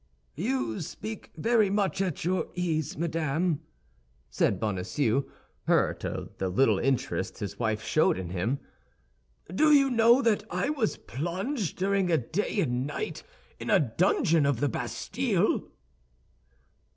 "You speak very much at your ease, madame," said Bonacieux, hurt at the little interest his wife showed in him. "Do you know that I was plunged during a day and night in a dungeon of the Bastille?"